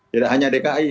tidak hanya dki